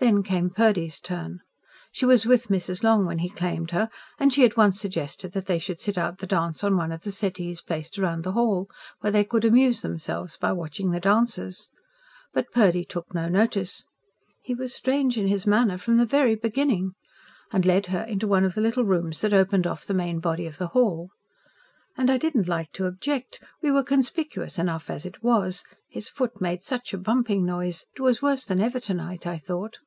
Then came Purdy's turn. She was with Mrs. Long when he claimed her, and she at once suggested that they should sit out the dance on one of the settees placed round the hall, where they could amuse themselves by watching the dancers. But Purdy took no notice "He was strange in his manner from the very beginning" and led her into one of the little rooms that opened off the main body of the hall. "And I didn't like to object. We were conspicuous enough as it was, his foot made such a bumping noise; it was worse than ever to night, I thought."